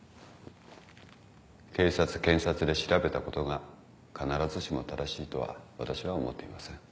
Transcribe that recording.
警察検察で調べたことが必ずしも正しいとは私は思っていません。